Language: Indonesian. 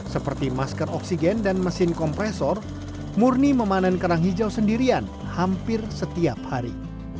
seperti masker oksigen dan mesin kompresor murni memanen kerang hijau sendirian hampir setiap hari